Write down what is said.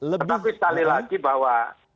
tetapi sekali lagi bahwa